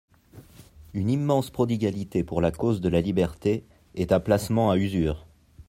«Une immense prodigalité pour la cause de la liberté est un placement à usure.